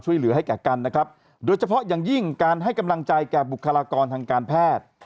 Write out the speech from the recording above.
ช่วยเหลือให้แก่กันนะครับโดยเฉพาะอย่างยิ่งการให้กำลังใจแก่บุคลากรทางการแพทย์